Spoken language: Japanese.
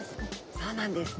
そうなんです。